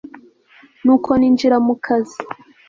nuko ninjira mukazi